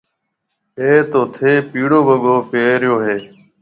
آج تو ٿَي پِيڙو وگو پيريو هيَ۔